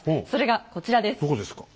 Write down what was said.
それがこちらです。